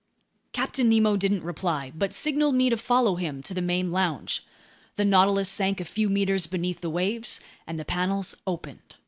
Captain Nemo didn't reply but signaled me to follow him to the main lounge. The Nautilus sank a few meters beneath the waves, and the panels opened.